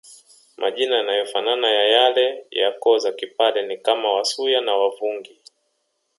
Majina yanayofanana ya yale ya koo za kipare ni kama Wasuya na Wavungi